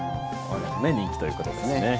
人気ということですね。